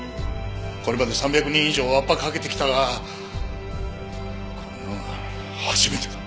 これまで３００人以上ワッパかけてきたがこんなのは初めてだ。